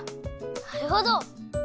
なるほど！